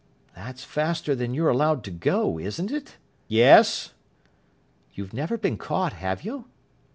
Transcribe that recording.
"That's faster than you're allowed to go, isn't it?" "Yes." "You've never been caught, have you?"